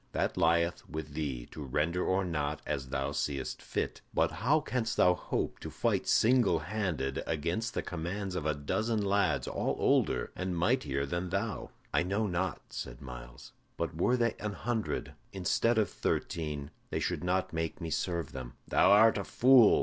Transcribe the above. That lieth with thee, to render or not, as thou seest fit. But how canst thou hope to fight single handed against the commands of a dozen lads all older and mightier than thou?" "I know not," said Myles; "but were they an hundred, instead of thirteen, they should not make me serve them." "Thou art a fool!"